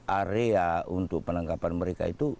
area untuk penangkapan mereka itu